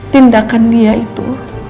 tindakan dia itu